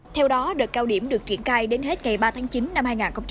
theo đó đợt cao điểm được triển cài đến hết ngày ba tháng chín năm hai nghìn một mươi chín